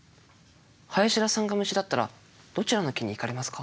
林田さんが虫だったらどちらの木に行かれますか？